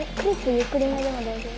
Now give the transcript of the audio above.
ゆっくりめでも大丈夫。